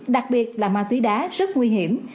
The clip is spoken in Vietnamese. đặc biệt là ma túy đá rất nguy hiểm